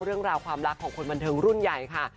เรื่องราวความรักของคนบันเทิงรุ่นใหญ่ค่ะ